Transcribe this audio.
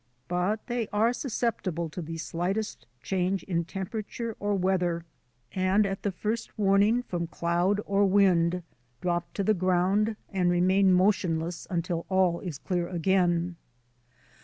But they are susceptible to the slightest change in temperature or weather, and at the first warning from cloud or wind drop to the ground and remain motionless until all is clear again.